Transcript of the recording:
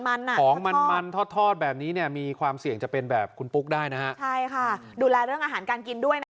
เป็นโรคนี้อะไรอย่างนี้ค่ะก็คิดว่าเป็นอย่างคุณ